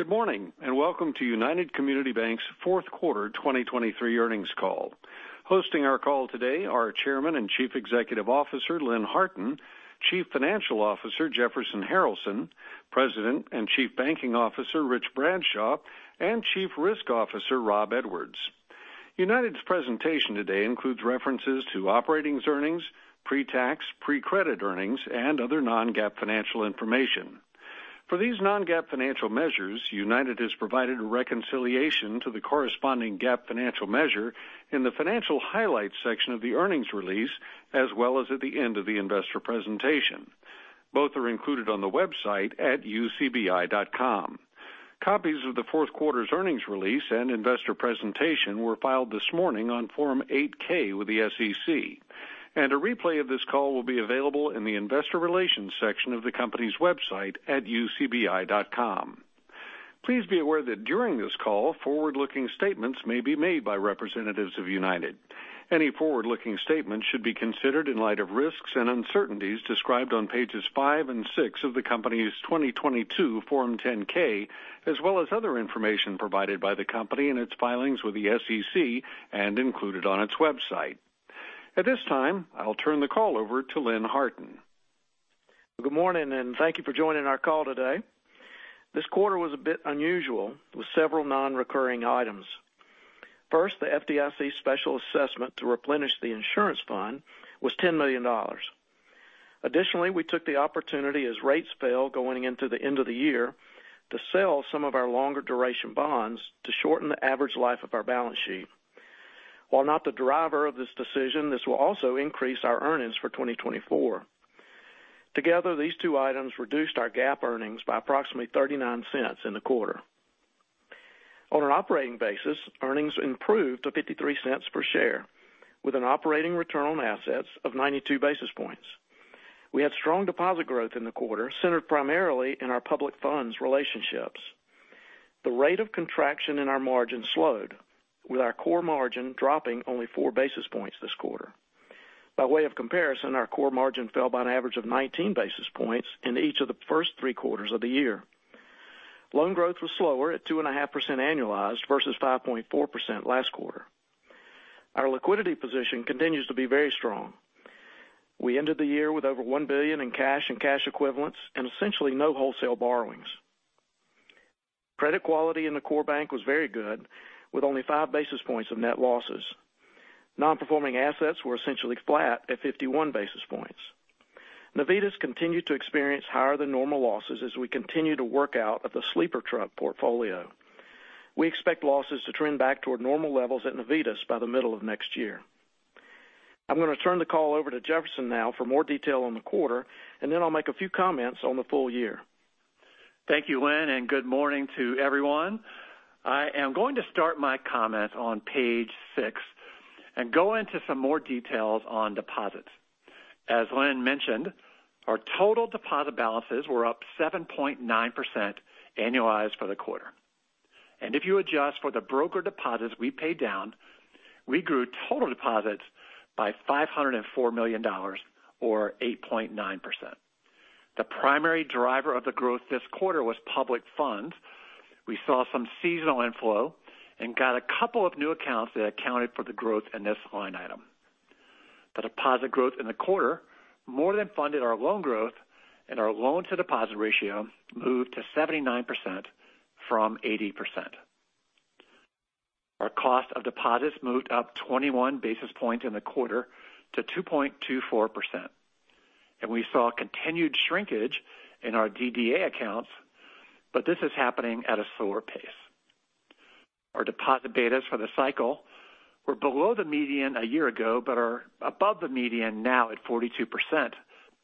Good morning, and welcome to United Community Bank's fourth quarter 2023 earnings call. Hosting our call today are our Chairman and Chief Executive Officer, Lynn Harton, Chief Financial Officer, Jefferson Harralson, President and Chief Banking Officer, Rich Bradshaw, and Chief Risk Officer, Rob Edwards. United's presentation today includes references to operating earnings, pre-tax, pre-credit earnings, and other non-GAAP financial information. For these non-GAAP financial measures, United has provided a reconciliation to the corresponding GAAP financial measure in the financial highlights section of the earnings release, as well as at the end of the investor presentation. Both are included on the website at ucbi.com. Copies of the fourth quarter's earnings release and investor presentation were filed this morning on Form 8-K with the SEC, and a replay of this call will be available in the investor relations section of the company's website at ucbi.com. Please be aware that during this call, forward-looking statements may be made by representatives of United. Any forward-looking statements should be considered in light of risks and uncertainties described on pages five and six of the company's 2022 Form 10-K, as well as other information provided by the company in its filings with the SEC and included on its website. At this time, I'll turn the call over to Lynn Harton. Good morning, and thank you for joining our call today. This quarter was a bit unusual, with several non-recurring items. First, the FDIC special assessment to replenish the insurance fund was $10 million. Additionally, we took the opportunity as rates fell going into the end of the year, to sell some of our longer duration bonds to shorten the average life of our balance sheet. While not the driver of this decision, this will also increase our earnings for 2024. Together, these two items reduced our GAAP earnings by approximately $0.39 in the quarter. On an operating basis, earnings improved to $0.53 per share, with an operating return on assets of 92 basis points. We had strong deposit growth in the quarter, centered primarily in our public funds relationships. The rate of contraction in our margin slowed, with our core margin dropping only 4 basis points this quarter. By way of comparison, our core margin fell by an average of 19 basis points in each of the first three quarters of the year. Loan growth was slower at 2.5% annualized versus 5.4% last quarter. Our liquidity position continues to be very strong. We ended the year with over $1 billion in cash and cash equivalents and essentially no wholesale borrowings. Credit quality in the core bank was very good, with only 5 basis points of net losses. Non-performing assets were essentially flat at 51 basis points. Navitas continued to experience higher than normal losses as we continue to work out of the sleeper truck portfolio. We expect losses to trend back toward normal levels at Navitas by the middle of next year. I'm going to turn the call over to Jefferson now for more detail on the quarter, and then I'll make a few comments on the full year. Thank you, Lynn, and good morning to everyone. I am going to start my comments on page six and go into some more details on deposits. As Lynn mentioned, our total deposit balances were up 7.9% annualized for the quarter. And if you adjust for the broker deposits we paid down, we grew total deposits by $504 million or 8.9%. The primary driver of the growth this quarter was public funds. We saw some seasonal inflow and got a couple of new accounts that accounted for the growth in this line item. The deposit growth in the quarter more than funded our loan growth, and our loan to deposit ratio moved to 79% from 80%. Our cost of deposits moved up 21 basis points in the quarter to 2.24%, and we saw continued shrinkage in our DDA accounts, but this is happening at a slower pace. Our deposit betas for the cycle were below the median a year ago, but are above the median now at 42%,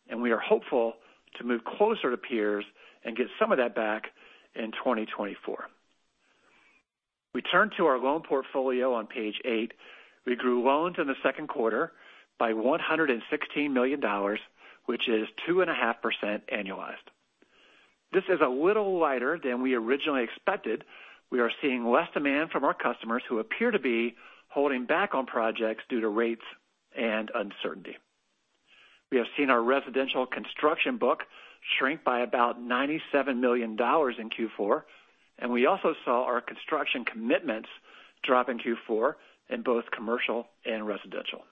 and we are hopeful to move closer to peers and get some of that back in 2024. We turn to our loan portfolio on page eight. We grew loans in the second quarter by $116 million, which is 2.5% annualized. This is a little lighter than we originally expected. We are seeing less demand from our customers, who appear to be holding back on projects due to rates and uncertainty. We have seen our residential construction book shrink by about $97 million in Q4, and we also saw our construction commitments drop in Q4 in both commercial and residential.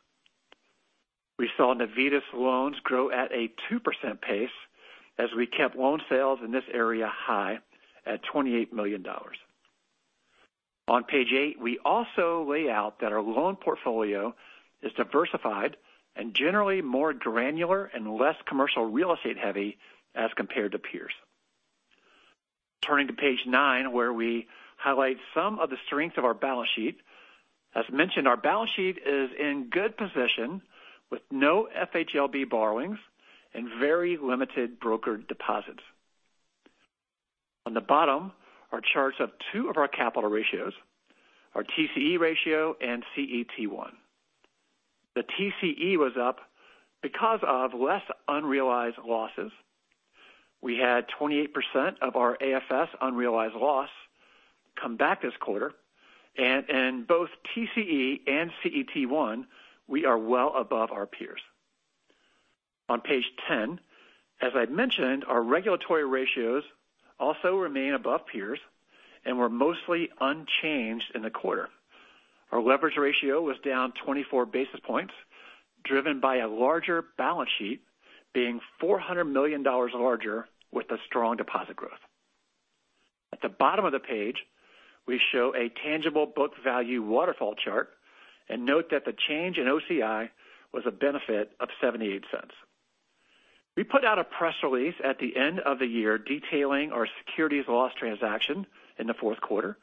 We saw Navitas loans grow at a 2% pace as we kept loan sales in this area high at $28 million. On page eight, we also lay out that our loan portfolio is diversified and generally more granular and less commercial real estate heavy as compared to peers. Turning to page nine, where we highlight some of the strengths of our balance sheet. As mentioned, our balance sheet is in good position with no FHLB borrowings and very limited brokered deposits. On the bottom, are charts of two of our capital ratios, our TCE ratio and CET1. The TCE was up because of less unrealized losses. We had 28% of our AFS unrealized loss come back this quarter, and in both TCE and CET1, we are well above our peers. On page 10, as I'd mentioned, our regulatory ratios also remain above peers and were mostly unchanged in the quarter. Our leverage ratio was down 24 basis points, driven by a larger balance sheet, being $400 million larger with a strong deposit growth. At the bottom of the page, we show a tangible book value waterfall chart and note that the change in OCI was a benefit of $0.78. We put out a press release at the end of the year detailing our securities loss transaction in the fourth quarter.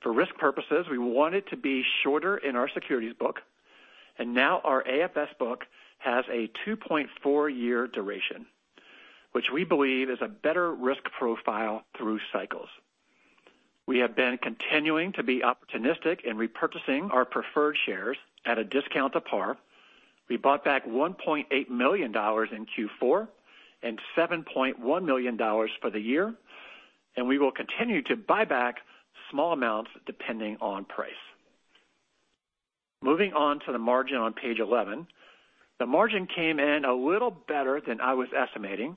For risk purposes, we want it to be shorter in our securities book, and now our AFS book has a 2.4-year duration, which we believe is a better risk profile through cycles. We have been continuing to be opportunistic in repurchasing our preferred shares at a discount to par. We bought back $1.8 million in Q4 and $7.1 million for the year, and we will continue to buy back small amounts depending on price. Moving on to the margin on page 11. The margin came in a little better than I was estimating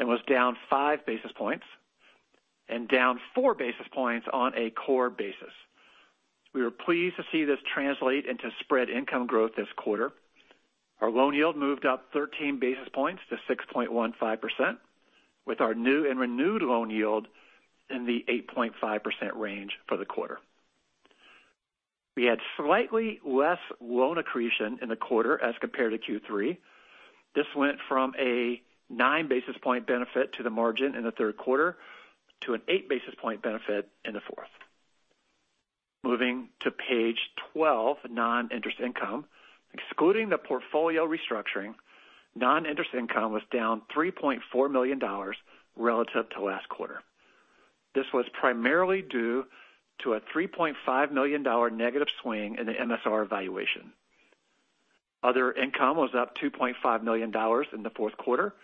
and was down 5 basis points and down 4 basis points on a core basis. We were pleased to see this translate into spread income growth this quarter. Our loan yield moved up 13 basis points to 6.15%, with our new and renewed loan yield in the 8.5% range for the quarter. We had slightly less loan accretion in the quarter as compared to Q3. This went from a 9 basis point benefit to the margin in the third quarter to an 8 basis point benefit in the fourth. Moving to page 12, non-interest income. Excluding the portfolio restructuring, non-interest income was down $3.4 million relative to last quarter. This was primarily due to a $3.5 million negative swing in the MSR valuation. Other income was up $2.5 million in the fourth quarter,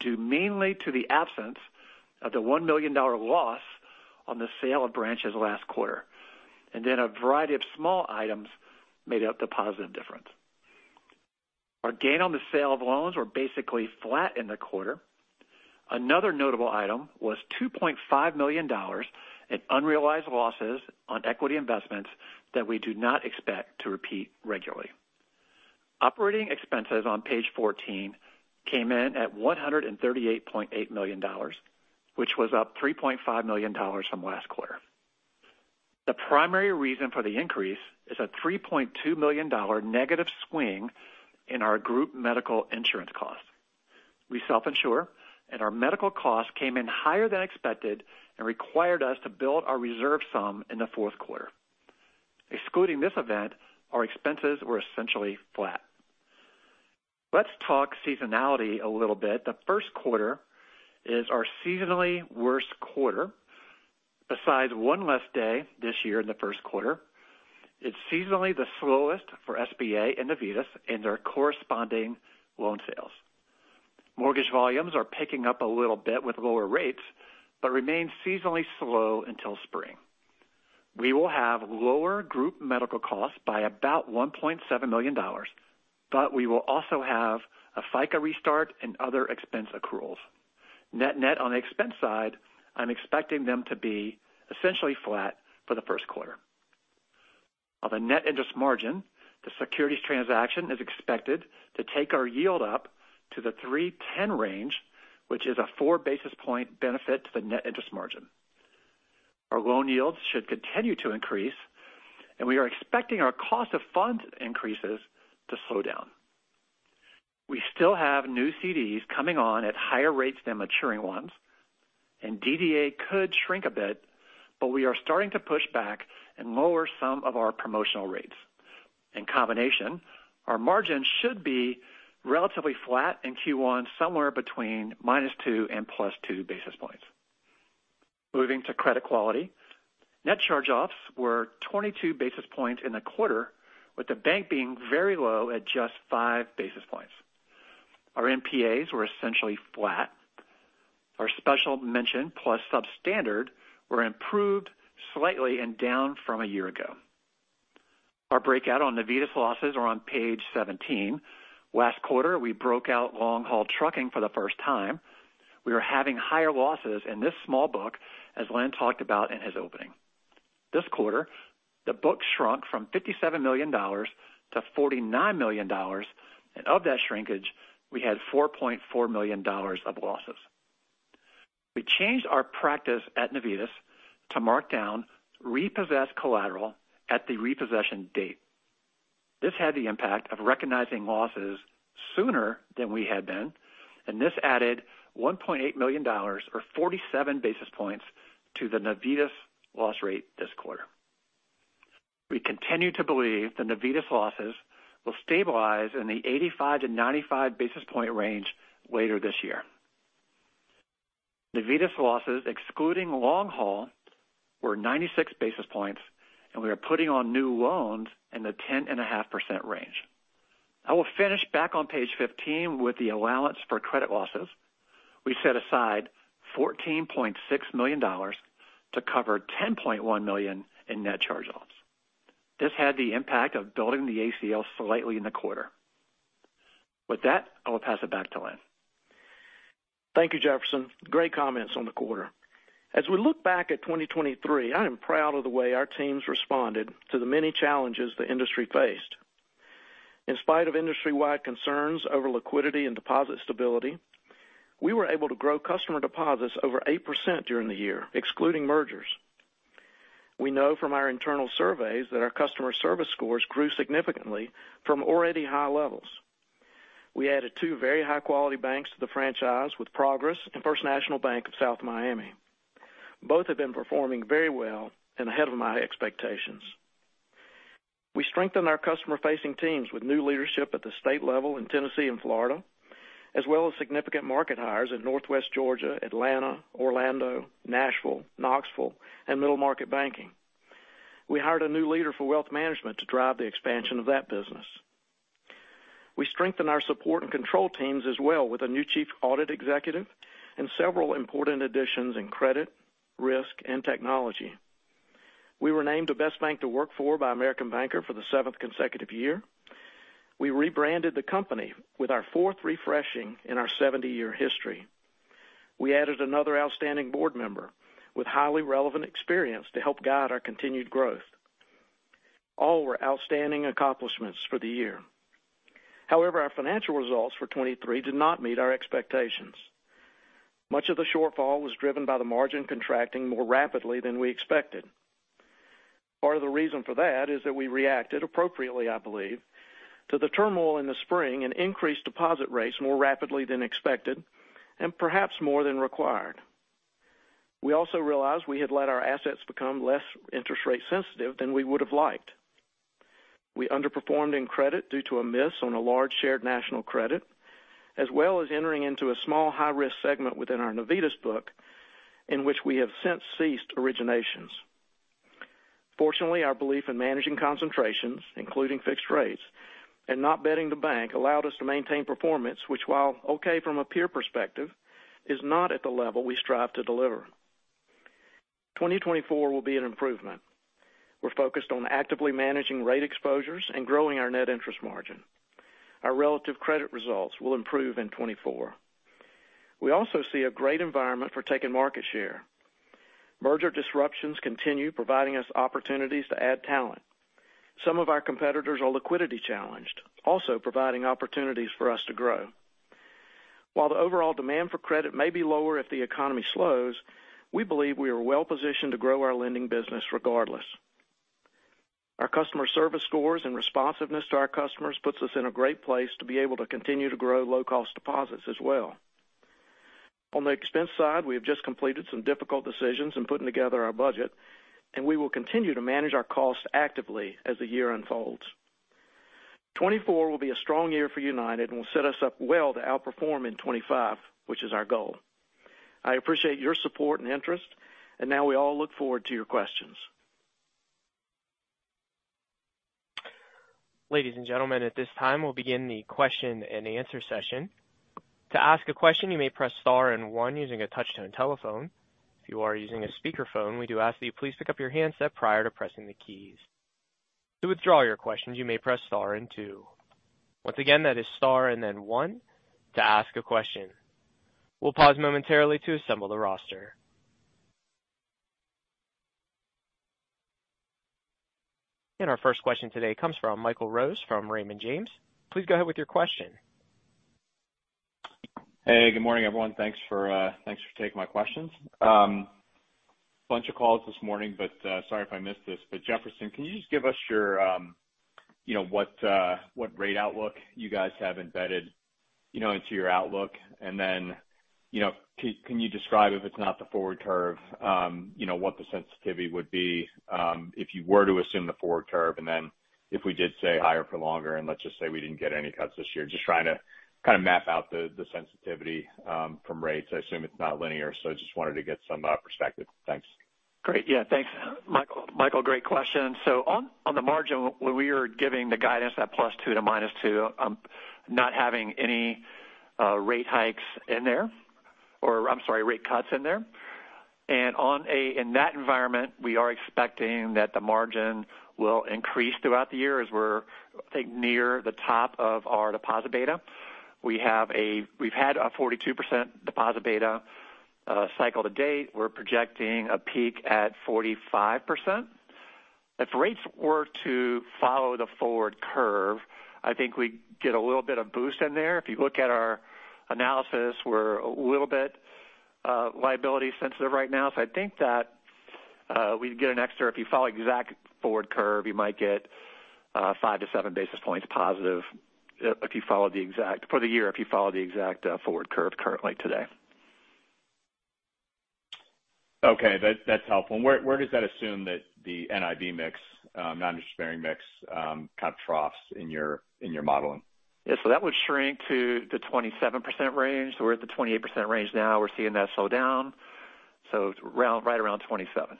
due mainly to the absence of the $1 million loss on the sale of branches last quarter, and then a variety of small items made up the positive difference. Our gain on the sale of loans were basically flat in the quarter. Another notable item was $2.5 million in unrealized losses on equity investments that we do not expect to repeat regularly. Operating expenses on page 14 came in at $138.8 million, which was up $3.5 million from last quarter. The primary reason for the increase is a $3.2 million negative swing in our group medical insurance costs. We self-insure, and our medical costs came in higher than expected and required us to build our reserve sum in the fourth quarter. Excluding this event, our expenses were essentially flat. Let's talk seasonality a little bit. The first quarter is our seasonally worst quarter. Besides one less day this year in the first quarter, it's seasonally the slowest for SBA and Navitas and our corresponding loan sales. Mortgage volumes are picking up a little bit with lower rates, but remain seasonally slow until spring. We will have lower group medical costs by about $1.7 million, but we will also have a FICA restart and other expense accruals. Net-net, on the expense side, I'm expecting them to be essentially flat for the first quarter. On the net interest margin, the securities transaction is expected to take our yield up to the 3.10 range, which is a four basis point benefit to the net interest margin. Our loan yields should continue to increase, and we are expecting our cost of funds increases to slow down. We still have new CDs coming on at higher rates than maturing ones, and DDA could shrink a bit, but we are starting to push back and lower some of our promotional rates. In combination, our margin should be relatively flat in Q1, somewhere between -2 and +2 basis points. Moving to credit quality. Net charge-offs were 22 basis points in the quarter, with the bank being very low at just five basis points. Our NPAs were essentially flat. Our special mention, plus substandard, were improved slightly and down from a year ago. Our breakout on Navitas losses are on page 17. Last quarter, we broke out long-haul trucking for the first time. We are having higher losses in this small book, as Lynn talked about in his opening. This quarter, the book shrunk from $57-49 million, and of that shrinkage, we had $4.4 million of losses. We changed our practice at Navitas to mark down repossessed collateral at the repossession date. This had the impact of recognizing losses sooner than we had been, and this added $1.8 million, or 47 basis points, to the Navitas loss rate this quarter. We continue to believe the Navitas losses will stabilize in the 85-95 basis point range later this year. Navitas losses, excluding long haul, were 96 basis points, and we are putting on new loans in the 10.5% range. I will finish back on page 15 with the allowance for credit losses. We set aside $14.6 million to cover $10.1 million in net charge-offs. This had the impact of building the ACL slightly in the quarter. With that, I will pass it back to Lynn. Thank you, Jefferson. Great comments on the quarter. As we look back at 2023, I am proud of the way our teams responded to the many challenges the industry faced. In spite of industry-wide concerns over liquidity and deposit stability, we were able to grow customer deposits over 8% during the year, excluding mergers. We know from our internal surveys that our customer service scores grew significantly from already high levels. We added two very high-quality banks to the franchise, with Progress and First National Bank of South Miami. Both have been performing very well and ahead of my expectations. We strengthened our customer-facing teams with new leadership at the state level in Tennessee and Florida, as well as significant market hires in Northwest Georgia, Atlanta, Orlando, Nashville, Knoxville, and Middle Market Banking. We hired a new leader for wealth management to drive the expansion of that business. We strengthened our support and control teams as well, with a new chief audit executive and several important additions in credit, risk, and technology. We were named the Best Bank to Work For by American Banker for the seventh consecutive year. We rebranded the company with our fourth refreshing in our 70-year history. We added another outstanding board member with highly relevant experience to help guide our continued growth. All were outstanding accomplishments for the year. However, our financial results for 2023 did not meet our expectations. Much of the shortfall was driven by the margin contracting more rapidly than we expected. Part of the reason for that is that we reacted appropriately, I believe, to the turmoil in the spring and increased deposit rates more rapidly than expected and perhaps more than required. We also realized we had let our assets become less interest rate sensitive than we would have liked. We underperformed in credit due to a miss on a large Shared National Credit, as well as entering into a small, high-risk segment within our Navitas book, in which we have since ceased originations. Fortunately, our belief in managing concentrations, including fixed rates and not betting the bank, allowed us to maintain performance, which, while okay from a peer perspective, is not at the level we strive to deliver. 2024 will be an improvement. We're focused on actively managing rate exposures and growing our net interest margin. Our relative credit results will improve in 2024. We also see a great environment for taking market share. Merger disruptions continue, providing us opportunities to add talent. Some of our competitors are liquidity challenged, also providing opportunities for us to grow. While the overall demand for credit may be lower if the economy slows, we believe we are well positioned to grow our lending business regardless. Our customer service scores and responsiveness to our customers puts us in a great place to be able to continue to grow low-cost deposits as well. On the expense side, we have just completed some difficult decisions in putting together our budget, and we will continue to manage our costs actively as the year unfolds. 2024 will be a strong year for United and will set us up well to outperform in 2025, which is our goal. I appreciate your support and interest, and now we all look forward to your questions. Ladies and gentlemen, at this time, we'll begin the question-and-answer session. To ask a question, you may press star and one using a touch-tone telephone. If you are using a speakerphone, we do ask that you please pick up your handset prior to pressing the keys. To withdraw your questions, you may press star and two. Once again, that is star and then one to ask a question. We'll pause momentarily to assemble the roster. And our first question today comes from Michael Rose, from Raymond James. Please go ahead with your question. Hey, good morning, everyone. Thanks for taking my questions. A bunch of calls this morning, but sorry if I missed this, but Jefferson, can you just give us your, you know, what rate outlook you guys have embedded, you know, into your outlook? And then, you know, can you describe, if it's not the forward curve, you know, what the sensitivity would be, if you were to assume the forward curve, and then if we did say, higher for longer, and let's just say we didn't get any cuts this year. Just trying to kind of map out the sensitivity from rates. I assume it's not linear, so just wanted to get some perspective. Thanks. Great. Yeah, thanks, Michael. Michael, great question. So on, on the margin, when we are giving the guidance at +2 to -2, I'm not having any rate hikes in there or I'm sorry, rate cuts in there. And in that environment, we are expecting that the margin will increase throughout the year, as we're, I think, near the top of our deposit beta. We've had a 42% deposit beta cycle to date. We're projecting a peak at 45%. If rates were to follow the forward curve, I think we'd get a little bit of boost in there. If you look at our analysis, we're a little bit liability sensitive right now, so I think that we'd get an extra... If you follow exact forward curve, you might get 5-7 basis points positive if you follow the exact for the year if you follow the exact forward curve currently today. Okay, that, that's helpful. And where, where does that assume that the NIB mix, non-interest bearing mix, kind of troughs in your, in your modeling? Yeah, so that would shrink to the 27% range. We're at the 28% range now. We're seeing that slow down, so it's around, right around 27.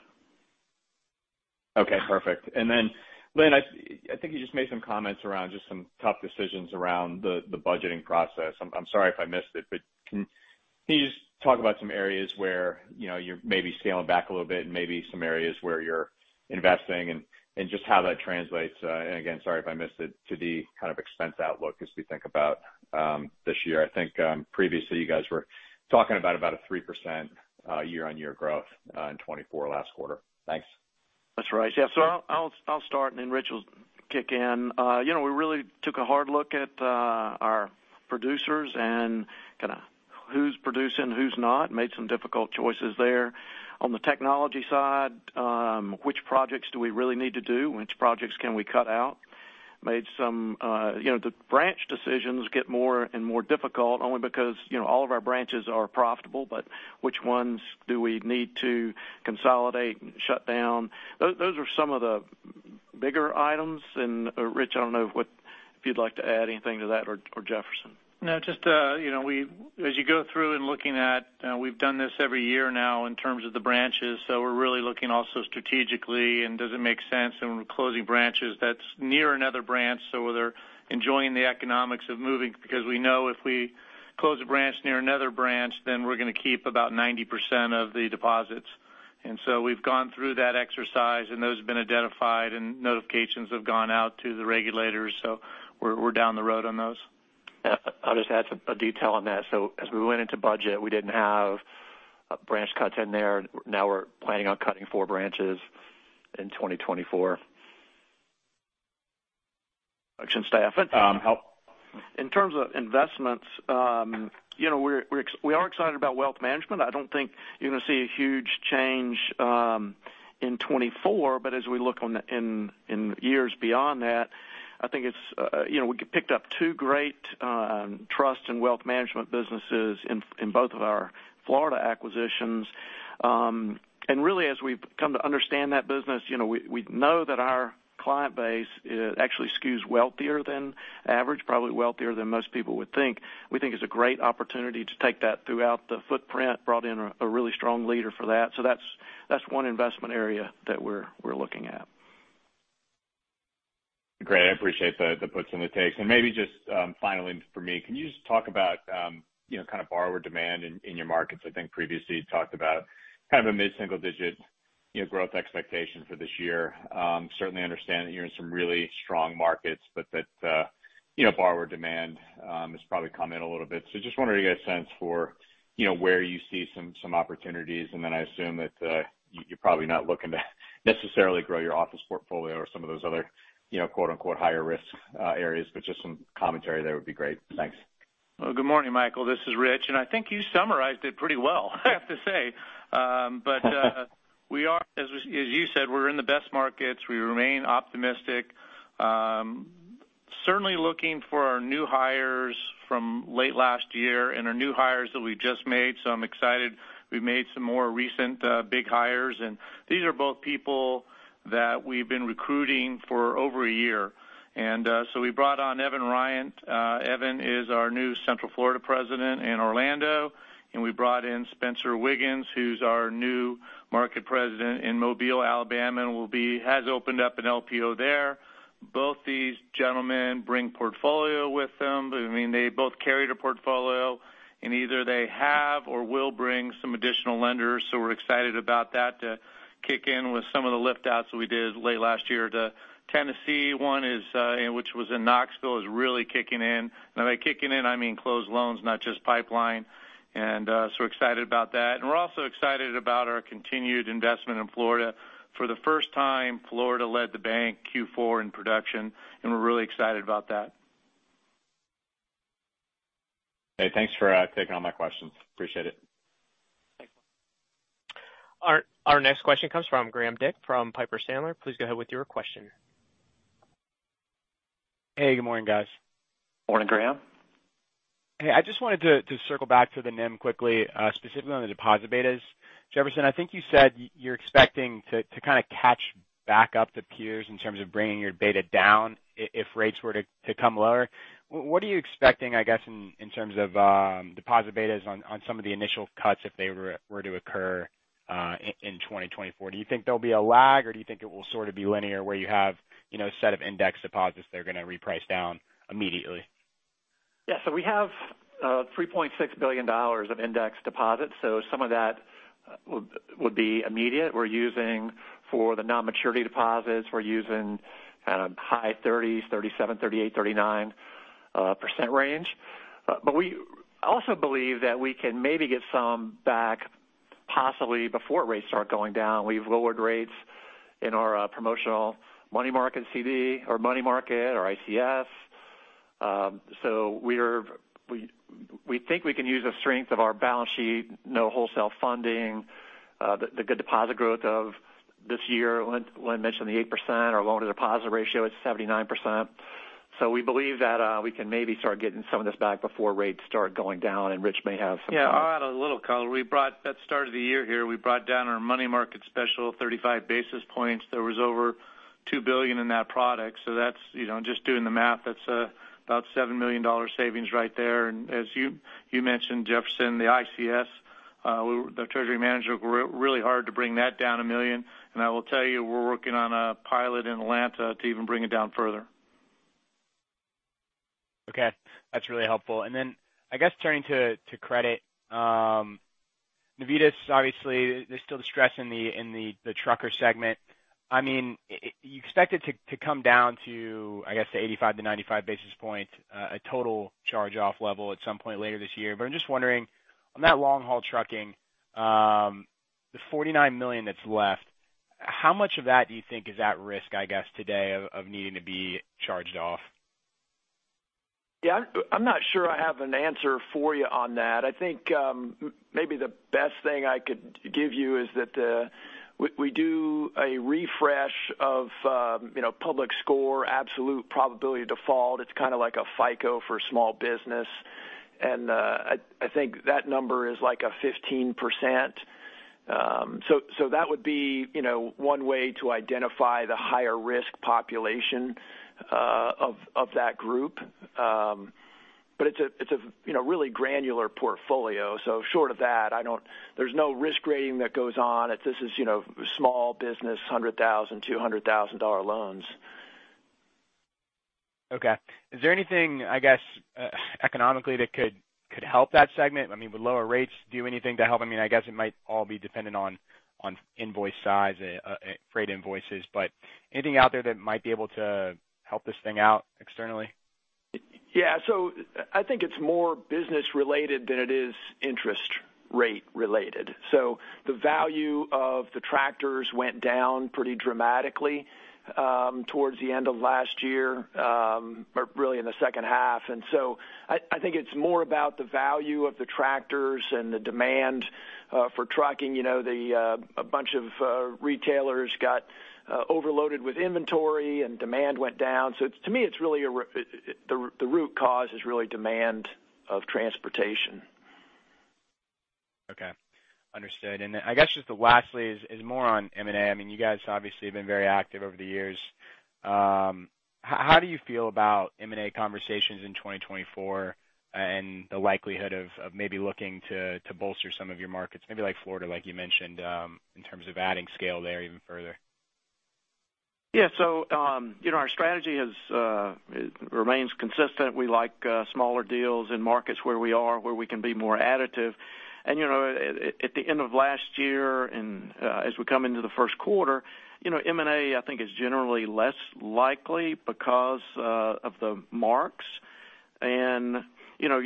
Okay, perfect. And then, Lynn, I think you just made some comments around just some tough decisions around the budgeting process. I'm sorry if I missed it, but can you just talk about some areas where, you know, you're maybe scaling back a little bit and maybe some areas where you're investing and just how that translates? And again, sorry if I missed it, to the kind of expense outlook as we think about this year. I think, previously, you guys were talking about a 3% year-on-year growth in 2024 last quarter. Thanks. That's right. Yeah, so I'll start, and then Rich will kick in. You know, we really took a hard look at our producers and kinda who's producing, who's not, made some difficult choices there. On the technology side, which projects do we really need to do? Which projects can we cut out? Made some, you know, the branch decisions get more and more difficult only because, you know, all of our branches are profitable, but which ones do we need to consolidate and shut down? Those are some of the bigger items. And, Rich, I don't know what if you'd like to add anything to that or, or Jefferson. No, just, you know, as you go through and looking at, we've done this every year now in terms of the branches, so we're really looking also strategically and does it make sense in closing branches that's near another branch, so we're enjoying the economics of moving, because we know if we close a branch near another branch, then we're gonna keep about 90% of the deposits. And so we've gone through that exercise, and those have been identified, and notifications have gone out to the regulators, so we're down the road on those. I'll just add some a detail on that. So as we went into budget, we didn't have branch cuts in there. Now we're planning on cutting four branches in 2024. In terms of investments, you know, we are excited about wealth management. I don't think you're going to see a huge change in 2024, but as we look in years beyond that, I think it's, you know, we picked up two great trust and wealth management businesses in both of our Florida acquisitions. And really, as we've come to understand that business, you know, we know that our client base, it actually skews wealthier than average, probably wealthier than most people would think. We think it's a great opportunity to take that throughout the footprint, brought in a really strong leader for that. So that's one investment area that we're looking at. Great. I appreciate the puts and the takes. And maybe just finally, for me, can you just talk about you know, kind of borrower demand in your markets? I think previously, you talked about kind of a mid-single digit you know, growth expectation for this year. Certainly understand that you're in some really strong markets, but that you know, borrower demand has probably come in a little bit. So just wondering to get a sense for you know, where you see some opportunities, and then I assume that you're probably not looking to necessarily grow your office portfolio or some of those other you know, quote-unquote, "higher risk," areas, but just some commentary there would be great. Thanks. Well, good morning, Michael. This is Rich, and I think you summarized it pretty well, I have to say. But we are, as you said, we're in the best markets. We remain optimistic. Certainly looking for our new hires from late last year and our new hires that we just made, so I'm excited. We've made some more recent big hires, and these are both people that we've been recruiting for over a year. And so we brought on Evan Ryan. Evan is our new Central Florida President in Orlando, and we brought in Spencer Wiggins, who's our new Market President in Mobile, Alabama, and has opened up an LPO there. Both these gentlemen bring portfolio with them. I mean, they both carried a portfolio, and either they have or will bring some additional lenders, so we're excited about that to kick in with some of the lift outs that we did late last year. The Tennessee one is, which was in Knoxville, is really kicking in. Now, by kicking in, I mean, closed loans, not just pipeline. And, so we're excited about that. And we're also excited about our continued investment in Florida. For the first time, Florida led the bank Q4 in production, and we're really excited about that. Hey, thanks for taking all my questions. Appreciate it. Thanks. Our next question comes from Graham Dick from Piper Sandler. Please go ahead with your question. Hey, good morning, guys. Morning, Graham. Hey, I just wanted to circle back to the NIM quickly, specifically on the deposit betas. Jefferson, I think you said you're expecting to kind of catch back up to peers in terms of bringing your beta down if rates were to come lower. What are you expecting, I guess, in terms of deposit betas on some of the initial cuts if they were to occur in 2024? Do you think there'll be a lag, or do you think it will sort of be linear, where you have, you know, a set of index deposits that are gonna reprice down immediately? Yeah, so we have $3.6 billion of index deposits, so some of that would be immediate. We're using for the non-maturity deposits, we're using at a high 30s, 37, 38, 39% range. But we also believe that we can maybe get some back possibly before rates start going down. We've lowered rates in our promotional money market CD or money market or ICS. So we're we think we can use the strength of our balance sheet, no wholesale funding, the good deposit growth of this year. Lynn mentioned the 8%. Our loan to deposit ratio is 79%. So we believe that we can maybe start getting some of this back before rates start going down, and Rich may have some- Yeah, I'll add a little color. At the start of the year here, we brought down our money market special 35 basis points. There was over $2 billion in that product, so that's, you know, just doing the math, that's about $7 million savings right there. And as you mentioned, Jefferson, the ICS-... the treasury manager worked really hard to bring that down $1 million. And I will tell you, we're working on a pilot in Atlanta to even bring it down further. Okay, that's really helpful. And then, I guess turning to credit, Navitas, obviously, there's still distress in the trucker segment. I mean, you expect it to come down to, I guess, 85-95 basis points, a total charge-off level at some point later this year. But I'm just wondering, on that long-haul trucking, the $49 million that's left, how much of that do you think is at risk, I guess, today, of needing to be charged off? Yeah, I'm not sure I have an answer for you on that. I think, maybe the best thing I could give you is that, we do a refresh of, you know, public score, absolute probability of default. It's kind of like a FICO for small business, and, I think that number is like a 15%. So, that would be, you know, one way to identify the higher-risk population, of that group. But it's a, it's a, you know, really granular portfolio. So short of that, I don't-- there's no risk grading that goes on. It's just, you know, small business, $100,000-200,000 loans. Okay. Is there anything, I guess, economically, that could help that segment? I mean, would lower rates do anything to help? I mean, I guess it might all be dependent on invoice size, freight invoices, but anything out there that might be able to help this thing out externally? Yeah, so I think it's more business related than it is interest rate related. So the value of the tractors went down pretty dramatically towards the end of last year, or really in the second half. And so I think it's more about the value of the tractors and the demand for trucking. You know, a bunch of retailers got overloaded with inventory and demand went down. So to me, it's really the root cause is really demand of transportation. Okay, understood. And I guess just lastly is more on M&A. I mean, you guys obviously have been very active over the years. How do you feel about M&A conversations in 2024 and the likelihood of maybe looking to bolster some of your markets, maybe like Florida, like you mentioned, in terms of adding scale there even further? Yeah. So, you know, our strategy has remains consistent. We like smaller deals in markets where we are, where we can be more additive. And, you know, at the end of last year and as we come into the first quarter, you know, M&A I think is generally less likely because of the marks. And, you know,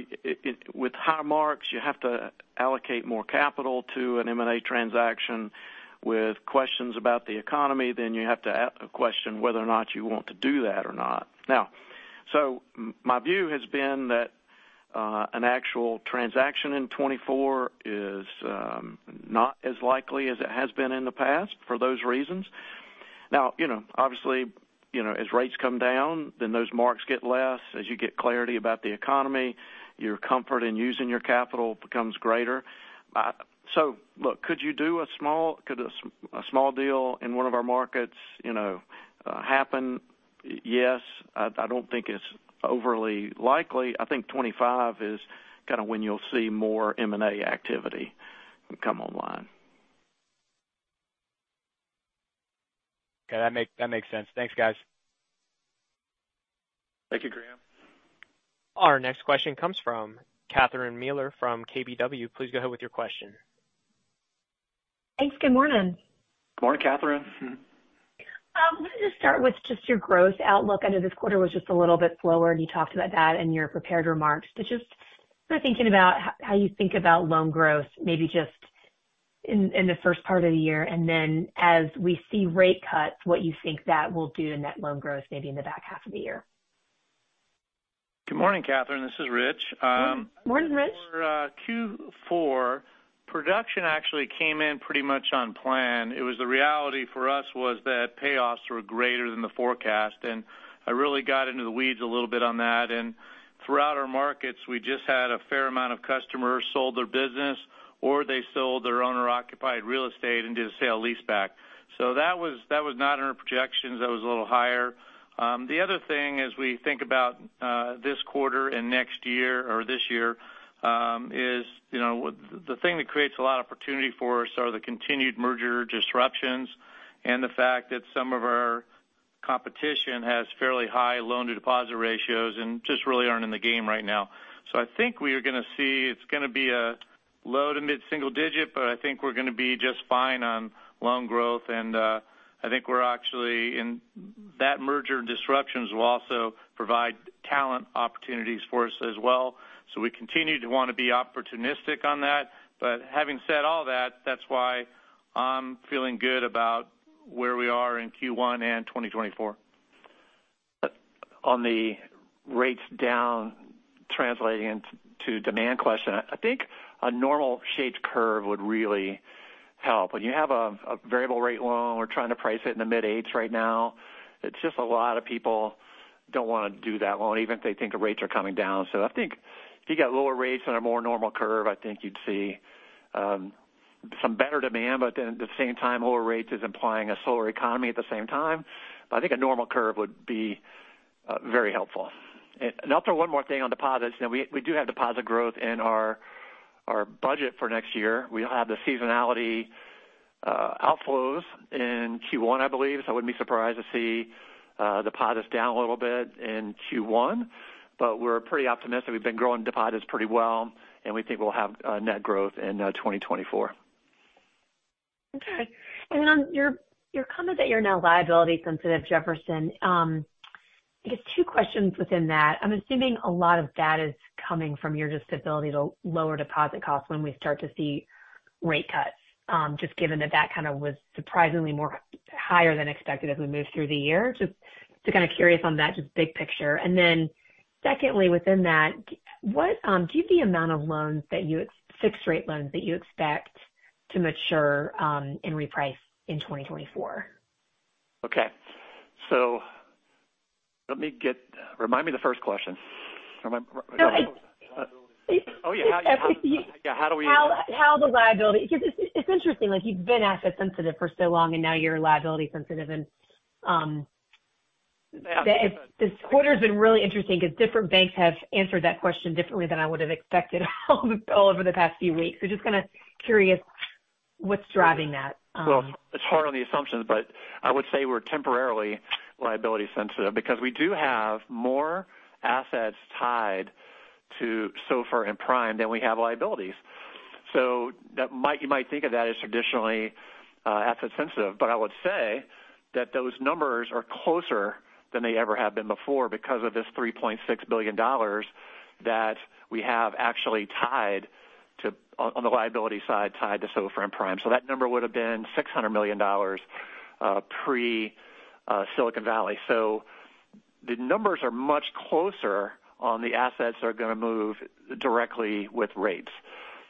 with high marks, you have to allocate more capital to an M&A transaction. With questions about the economy, then you have to question whether or not you want to do that or not. Now, so my view has been that an actual transaction in 2024 is not as likely as it has been in the past for those reasons. Now, you know, obviously, you know, as rates come down, then those marks get less. As you get clarity about the economy, your comfort in using your capital becomes greater. So look, could you do a small deal in one of our markets, you know, happen? Yes. I don't think it's overly likely. I think 25 is kind of when you'll see more M&A activity come online. Okay, that makes sense. Thanks, guys. Thank you, Graham. Our next question comes from Catherine Mealor from KBW. Please go ahead with your question. Thanks. Good morning. Good morning, Catherine. Mm-hmm. Let me just start with just your growth outlook. I know this quarter was just a little bit slower, and you talked about that in your prepared remarks. But just sort of thinking about how you think about loan growth, maybe just in, in the first part of the year, and then as we see rate cuts, what you think that will do in that loan growth, maybe in the back half of the year. Good morning, Catherine, this is Rich. Morning, Rich. For Q4, production actually came in pretty much on plan. It was the reality for us was that payoffs were greater than the forecast, and I really got into the weeds a little bit on that. And throughout our markets, we just had a fair amount of customers sold their business, or they sold their owner-occupied real estate and did a sale-leaseback. So that was, that was not in our projections. That was a little higher. The other thing, as we think about this quarter and next year or this year, is, you know, the thing that creates a lot of opportunity for us are the continued merger disruptions and the fact that some of our competition has fairly high loan-to-deposit ratios and just really aren't in the game right now. So I think we are gonna see, it's gonna be a low to mid-single digit, but I think we're gonna be just fine on loan growth, and, I think we're actually... In that merger, disruptions will also provide talent opportunities for us as well. So we continue to want to be opportunistic on that. But having said all that, that's why I'm feeling good about where we are in Q1 and 2024. But on the rates down, translating into demand question, I think a normal shaped curve would really help. When you have a, a variable rate loan, we're trying to price it in the mid-eights right now. It's just a lot of people don't wanna do that loan, even if they think the rates are coming down. So I think if you get lower rates on a more normal curve, I think you'd see,... some better demand, but then at the same time, lower rates is implying a slower economy at the same time. But I think a normal curve would be very helpful. And I'll throw one more thing on deposits. Now, we do have deposit growth in our budget for next year. We'll have the seasonality outflows in Q1, I believe, so I wouldn't be surprised to see deposits down a little bit in Q1. But we're pretty optimistic. We've been growing deposits pretty well, and we think we'll have net growth in 2024. Okay. And on your comment that you're now liability sensitive, Jefferson, I guess two questions within that. I'm assuming a lot of that is coming from your just ability to lower deposit costs when we start to see rate cuts, just given that that kind of was surprisingly more higher than expected as we moved through the year. Just kind of curious on that, just big picture. And then secondly, within that, what do you have the amount of loans that you expect to mature, ex fixed rate loans, and reprice in 2024? Okay. So let me get... Remind me the first question. No, it- Oh, yeah. How do we- How the liability... Because it's interesting, like, you've been asset sensitive for so long, and now you're liability sensitive. And this quarter's been really interesting because different banks have answered that question differently than I would have expected all over the past few weeks. So just kind of curious what's driving that? Well, it's hard on the assumptions, but I would say we're temporarily liability sensitive because we do have more assets tied to SOFR and prime than we have liabilities. So that might - you might think of that as traditionally, asset sensitive. But I would say that those numbers are closer than they ever have been before because of this $3.6 billion that we have actually tied to, on, on the liability side, tied to SOFR and prime. So that number would have been $600 million, pre, Silicon Valley. So the numbers are much closer on the assets that are going to move directly with rates.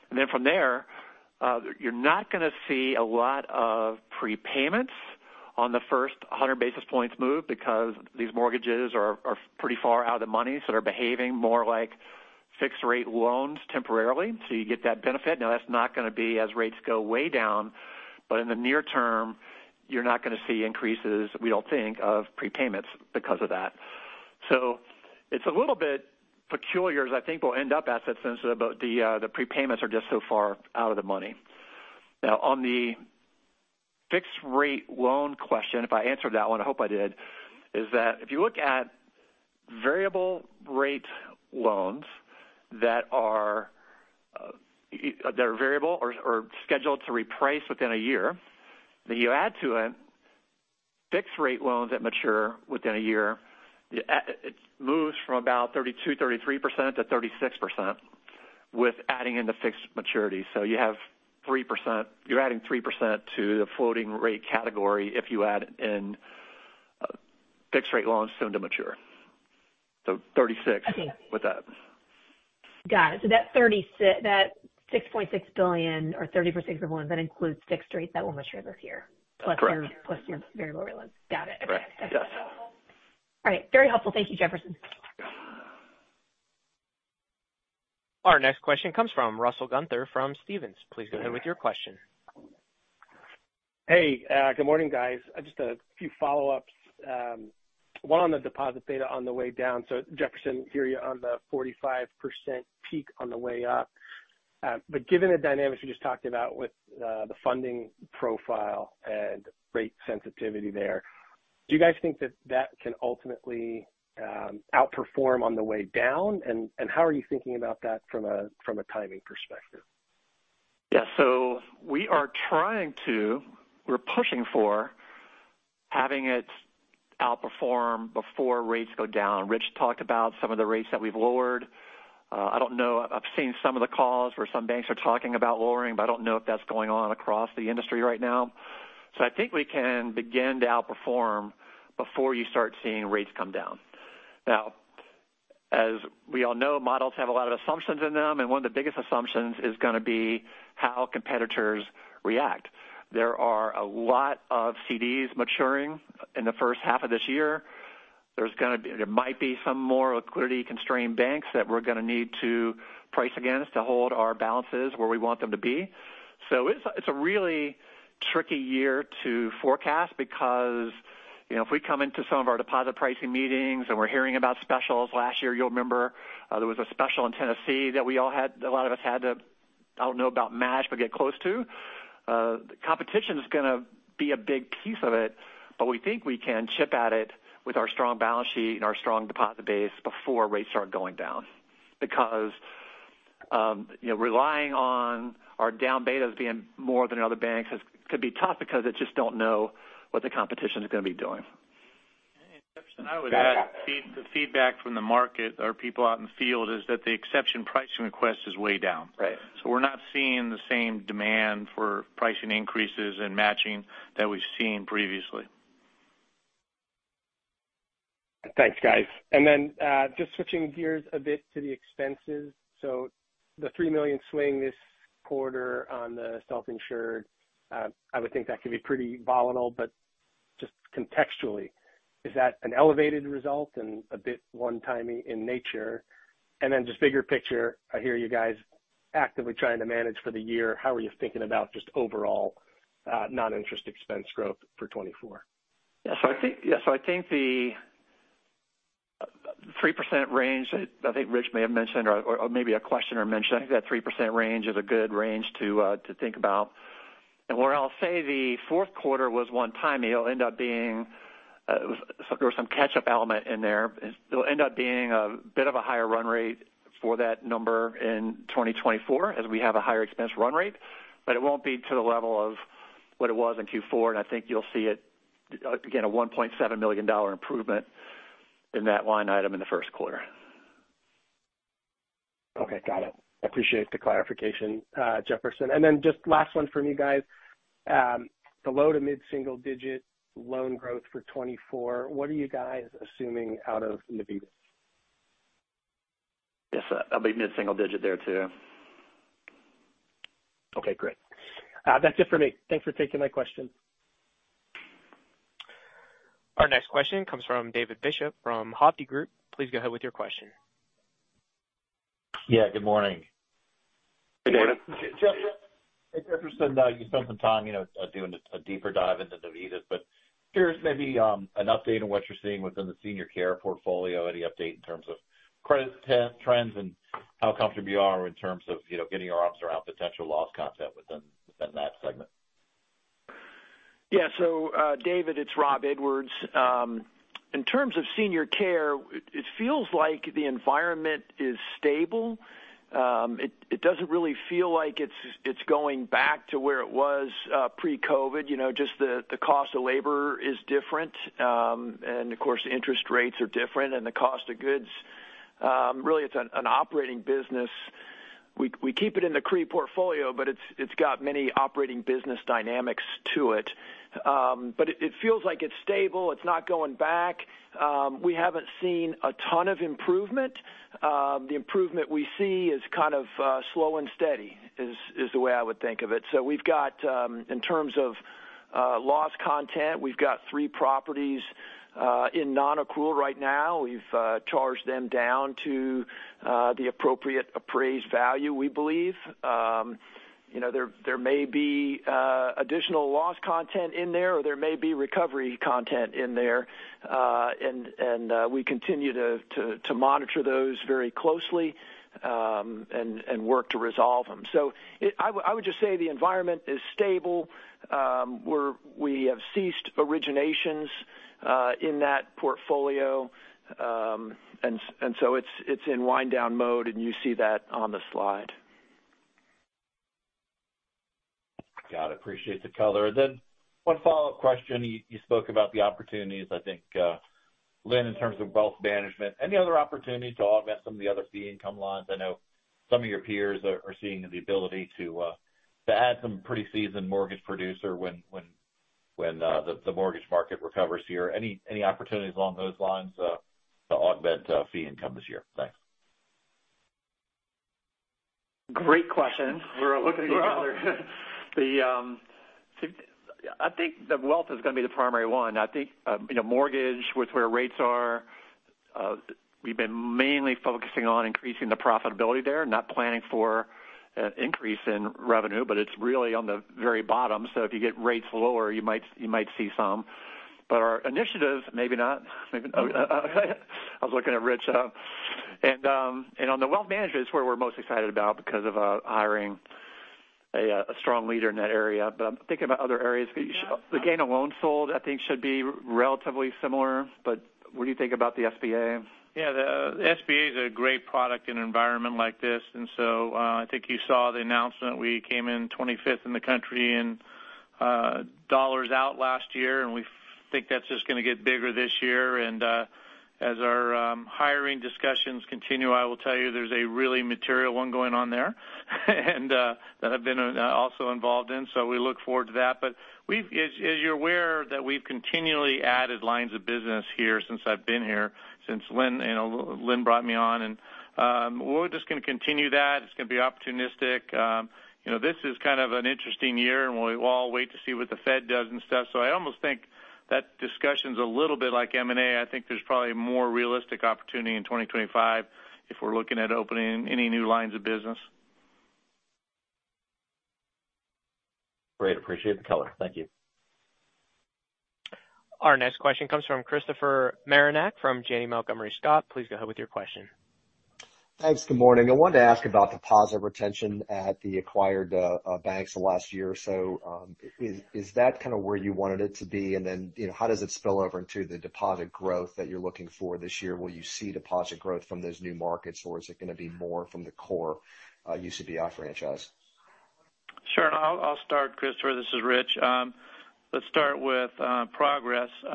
And then from there, you're not going to see a lot of prepayments on the first 100 basis points move because these mortgages are pretty far out of the money, so they're behaving more like fixed rate loans temporarily. So you get that benefit. Now, that's not going to be as rates go way down, but in the near term, you're not going to see increases, we don't think, of prepayments because of that. So it's a little bit peculiar, as I think we'll end up asset sensitive, but the prepayments are just so far out of the money. Now, on the fixed rate loan question, if I answered that one, I hope I did, is that if you look at variable rate loans that are, that are variable or, or scheduled to reprice within a year, then you add to it fixed rate loans that mature within a year, the it moves from about 32-33% to 36% with adding in the fixed maturity. So you have 3% -- you're adding 3% to the floating rate category if you add in, fixed rate loans soon to mature. So 36% with that. Got it. So that $6.6 billion or 30% variable loans, that includes fixed rates that will mature this year- Correct. Plus your variable rate loans. Got it. Correct. Yes. All right. Very helpful. Thank you, Jefferson. Our next question comes from Russell Gunther from Stephens. Please go ahead with your question. Hey, good morning, guys. Just a few follow-ups. One on the deposit beta on the way down. So Jefferson, hear you on the 45% peak on the way up. But given the dynamics you just talked about with the funding profile and rate sensitivity there, do you guys think that that can ultimately outperform on the way down? And how are you thinking about that from a timing perspective? Yeah. So we are trying to, we're pushing for having it outperform before rates go down. Rich talked about some of the rates that we've lowered. I don't know. I've seen some of the calls where some banks are talking about lowering, but I don't know if that's going on across the industry right now. So I think we can begin to outperform before you start seeing rates come down. Now, as we all know, models have a lot of assumptions in them, and one of the biggest assumptions is going to be how competitors react. There are a lot of CDs maturing in the first half of this year. There's gonna be some more liquidity-constrained banks that we're going to need to price against to hold our balances where we want them to be. So it's, it's a really tricky year to forecast because, you know, if we come into some of our deposit pricing meetings and we're hearing about specials. Last year, you'll remember, there was a special in Tennessee that we all had, a lot of us had to, I don't know about match, but get close to. Competition is going to be a big piece of it, but we think we can chip at it with our strong balance sheet and our strong deposit base before rates start going down. Because, you know, relying on our down betas being more than other banks has, could be tough because it just don't know what the competition is going to be doing. Jefferson, I would add, the feedback from the market or people out in the field is that the exception pricing request is way down. Right. So we're not seeing the same demand for pricing increases and matching that we've seen previously. Thanks, guys. And then, just switching gears a bit to the expenses. So the $3 million swing this quarter on the self-insured, I would think that could be pretty volatile. Just contextually, is that an elevated result and a bit one-timey in nature? And then just bigger picture, I hear you guys actively trying to manage for the year. How are you thinking about just overall, non-interest expense growth for 2024? Yeah, so I think, yeah, so I think the 3% range that I think Rich may have mentioned or, or maybe a questioner mentioned, I think that 3% range is a good range to, to think about. And where I'll say the fourth quarter was one time, it'll end up being, so there was some catch up element in there. It'll end up being a bit of a higher run rate for that number in 2024, as we have a higher expense run rate, but it won't be to the level of what it was in Q4, and I think you'll see it, again, a $1.7 million improvement in that line item in the first quarter. Okay, got it. I appreciate the clarification, Jefferson. And then just last one from you guys. The low to mid-single digit loan growth for 2024, what are you guys assuming out of Navitas? Yes, I'll be mid-single digit there, too. Okay, great. That's it for me. Thanks for taking my question. Our next question comes from David Bishop from Hovde Group. Please go ahead with your question. Yeah, good morning. Good morning. Hey, Jefferson, you spent some time, you know, doing a deeper dive into Navitas, but curious maybe, an update on what you're seeing within the senior care portfolio. Any update in terms of credit trends and how comfortable you are in terms of, you know, getting your arms around potential loss content within that segment? Yeah. So, David, it's Rob Edwards. In terms of senior care, it feels like the environment is stable. It doesn't really feel like it's going back to where it was pre-COVID. You know, just the cost of labor is different. And of course, interest rates are different and the cost of goods. Really, it's an operating business. We keep it in the CRE portfolio, but it's got many operating business dynamics to it. But it feels like it's stable. It's not going back. We haven't seen a ton of improvement. The improvement we see is kind of slow and steady, is the way I would think of it. So we've got, in terms of loss content, we've got three properties in nonaccrual right now. We've charged them down to the appropriate appraised value, we believe. You know, there may be additional loss content in there, or there may be recovery content in there. And we continue to monitor those very closely, and work to resolve them. I would just say the environment is stable. We have ceased originations in that portfolio. And so it's in wind down mode, and you see that on the slide. Got it. Appreciate the color. One follow-up question. You spoke about the opportunities, I think, Lynn, in terms of wealth management. Any other opportunities to augment some of the other fee income lines? I know some of your peers are seeing the ability to add some pretty seasoned mortgage producer when the mortgage market recovers here. Any opportunities along those lines to augment fee income this year? Thanks. Great question. We're looking at the, I think the wealth is going to be the primary one. I think, you know, mortgage with where rates are, we've been mainly focusing on increasing the profitability there, not planning for an increase in revenue, but it's really on the very bottom. So if you get rates lower, you might, you might see some. But our initiatives, maybe not. Maybe, I was looking at Rich. And on the wealth management, it's where we're most excited about because of hiring a strong leader in that area. But I'm thinking about other areas. The gain of loans sold, I think, should be relatively similar, but what do you think about the SBA? Yeah, the SBA is a great product in an environment like this. And so, I think you saw the announcement. We came in 25th in the country in dollars out last year, and we think that's just going to get bigger this year. And, as our hiring discussions continue, I will tell you there's a really material one going on there, and that I've been also involved in, so we look forward to that. But as you're aware that we've continually added lines of business here since I've been here, since Lynn, you know, Lynn brought me on, and we're just going to continue that. It's going to be opportunistic. You know, this is kind of an interesting year, and we'll all wait to see what the Fed does and stuff. So I almost think that discussion's a little bit like M&A. I think there's probably a more realistic opportunity in 2025 if we're looking at opening any new lines of business. Great. Appreciate the color. Thank you. Our next question comes from Christopher Marinac from Janney Montgomery Scott. Please go ahead with your question. Thanks. Good morning. I wanted to ask about the deposit retention at the acquired banks the last year or so. Is that kind of where you wanted it to be? And then, you know, how does it spill over into the deposit growth that you're looking for this year? Will you see deposit growth from those new markets, or is it going to be more from the core UCBI franchise? Sure. I'll start, Christopher. This is Rich. Let's start with Progress. We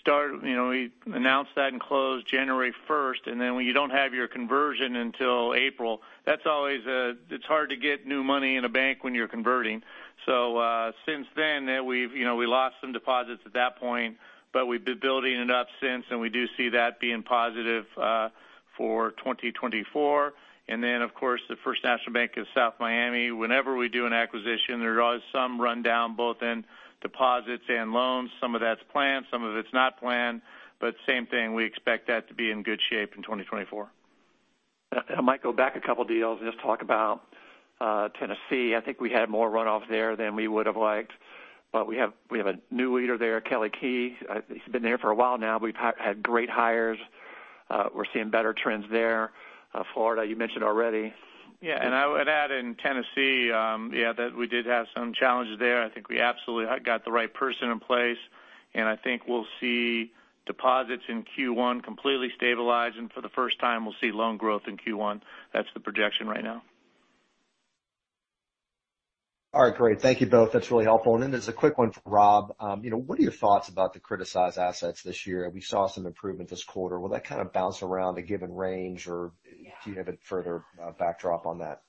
started—you know, we announced that in close January first, and then when you don't have your conversion until April, that's always—it's hard to get new money in a bank when you're converting. So, since then, we've, you know, we lost some deposits at that point, but we've been building it up since, and we do see that being positive for 2024. And then, of course, the First National Bank of South Miami. Whenever we do an acquisition, there is some rundown, both in deposits and loans. Some of that's planned, some of it's not planned, but same thing, we expect that to be in good shape in 2024. And I might go back a couple of deals and just talk about Tennessee. I think we had more runoff there than we would have liked, but we have a new leader there, Kelley Kee. He's been there for a while now. We've had great hires. We're seeing better trends there. Florida, you mentioned already. Yeah, and I would add in Tennessee, yeah, that we did have some challenges there. I think we absolutely got the right person in place, and I think we'll see deposits in Q1 completely stabilized, and for the first time, we'll see loan growth in Q1. That's the projection right now. All right, great. Thank you both. That's really helpful. And then there's a quick one for Rob. You know, what are your thoughts about the criticized assets this year? We saw some improvement this quarter. Will that kind of bounce around a given range, or do you have a further backdrop on that?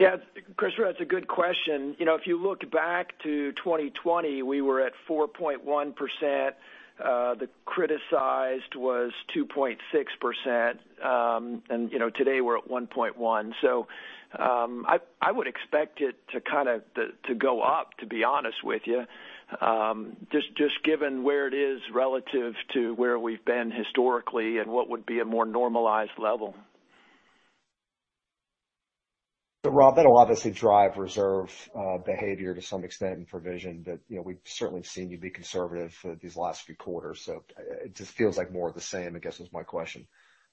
Yeah, Christopher, that's a good question. You know, if you look back to 2020, we were at 4.1%. The criticized was 2.6%. And, you know, today we're at 1.1%. So, I would expect it to kind of go up, to be honest with you, just given where it is relative to where we've been historically and what would be a more normalized level. So Rob, that'll obviously drive reserve, behavior to some extent in provision, but, you know, we've certainly seen you be conservative for these last few quarters, so it just feels like more of the same, I guess is my question.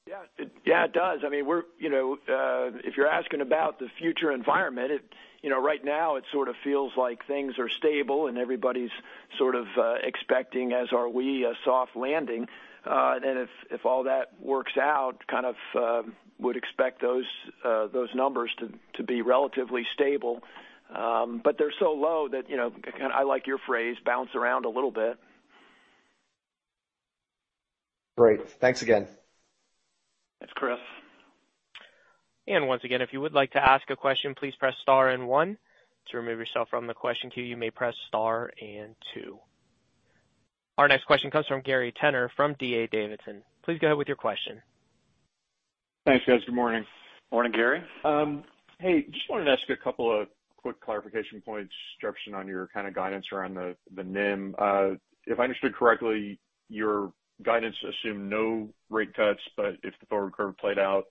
Yeah. Yeah, it does. I mean, we're—you know, if you're asking about the future environment, it. You know, right now, it sort of feels like things are stable and everybody's sort of expecting, as are we, a soft landing. And if all that works out, kind of, would expect those numbers to be relatively stable. But they're so low that, you know, I like your phrase, bounce around a little bit. Great. Thanks again. Thanks, Chris. Once again, if you would like to ask a question, please press star and one. To remove yourself from the question queue, you may press star and two. Our next question comes from Gary Tenner from D.A. Davidson. Please go ahead with your question. Thanks, guys. Good morning. Morning, Gary. Hey, just wanted to ask you a couple of quick clarification points, Jefferson, on your kind of guidance around the NIM. If I understood correctly, your guidance assumed no rate cuts, but if the forward curve played out,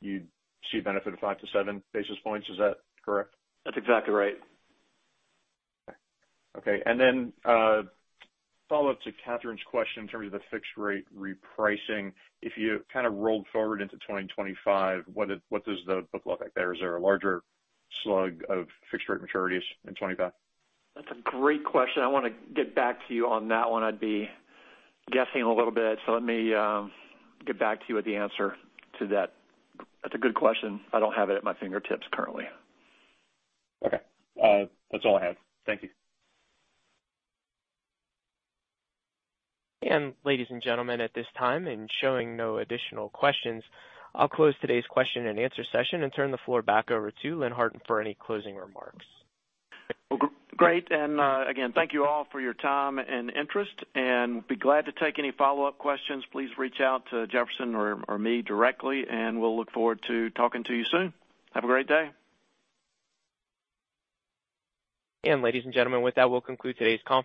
you'd see a benefit of 5-7 basis points. Is that correct? That's exactly right. Okay. And then, follow-up to Catherine's question in terms of the fixed rate repricing. If you kind of rolled forward into 2025, what does, what does that look like there? Is there a larger slug of fixed rate maturities in 25? That's a great question. I want to get back to you on that one. I'd be guessing a little bit, so let me get back to you with the answer to that. That's a good question. I don't have it at my fingertips currently. Okay. That's all I have. Thank you. Ladies and gentlemen, at this time, and showing no additional questions, I'll close today's question and answer session and turn the floor back over to Lynn Harton for any closing remarks. Well, great. And, again, thank you all for your time and interest, and be glad to take any follow-up questions. Please reach out to Jefferson or me directly, and we'll look forward to talking to you soon. Have a great day. Ladies and gentlemen, with that, we'll conclude today's call.